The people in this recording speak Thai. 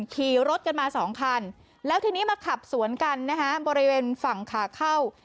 ขี่รถกันมาสองคันแล้วทีนี้มาขับสวนกันนะฮะบริเวณฝั่งขาเข้า